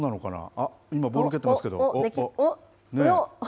あっ、今、ボール蹴ってますけど。